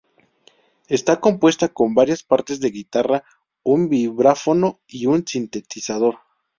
Está compuesta con varias partes de guitarra, un vibráfono y un sintetizador.